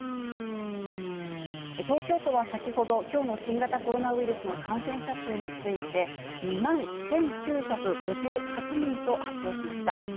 東京都は先ほど、きょうの新型コロナウイルスの感染者数について、２万１９５８人と発表しました。